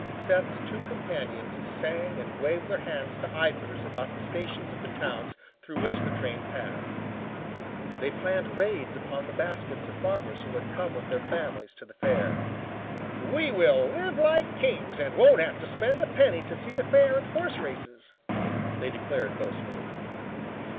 Seth's two companions sang and waved their hands to idlers about the stations of the towns through which the train passed. They planned raids upon the baskets of farmers who had come with their families to the fair. "We will live like kings and won't have to spend a penny to see the fair and horse races," they declared boastfully.